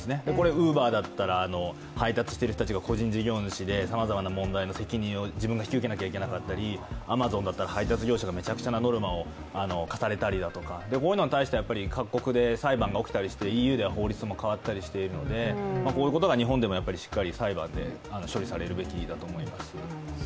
Ｕｂｅｒだったら配達している人が個人事業主で、さまざまな問題を自分が引き受けなくちゃいけなくなったり、アマゾンだったら配達業者がめちゃくちゃなノルマを課されたりこういうのに対しては各国で裁判が起きたりしてＥＵでは法律が変わったりしているのでこういうことが日本でもしっかり裁判で処理されるべきだと思います。